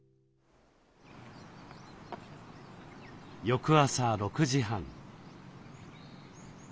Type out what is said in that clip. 翌朝６時半。